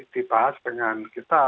dibahas dengan kita